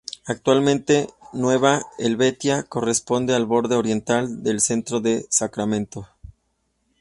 Actualmente, Nueva Helvetia corresponde al borde oriental del centro de Sacramento.